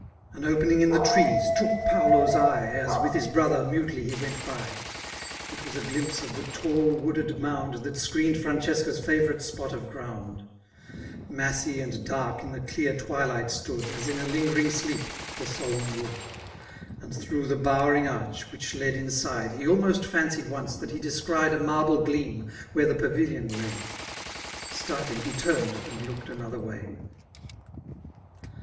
98 An agta&Bg In the trei* took Panloli «7«; As, with bis brother^ mmtdtf he went bjr : It was a glimpse of the tall wooded momid^ That screened Francesca's favorite spot of groandr Massy and dark in the dear' twilight stood> As in a Ungerii^ sleeps the solemn wood; And through the bowering arch^ which led inside, ' He almost fancied once» that he descried A marble gleam, where the pavili<»i lay; Starting he turned^ and looked ano^er way.